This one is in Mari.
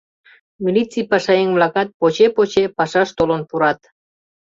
Милиций пашаеҥ-влакат поче-поче пашаш толын пурат.